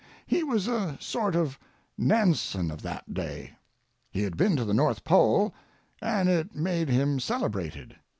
He was a sort of Nansen of that day. He had been to the North Pole, and it made him celebrated.